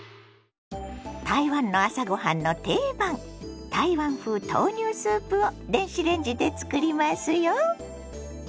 台湾の朝ごはんの定番台湾風豆乳スープを電子レンジで作りますよ。